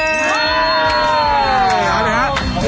เอาเลยครับ